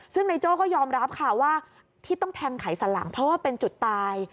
ซึ่งนายโจ้ก็ยอมรับค่ะว่าที่ต้องแทงไขสันหลังเพราะว่าเป็นจุดตาย